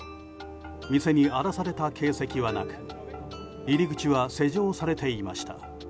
店に荒らされた形跡はなく入り口は施錠されていました。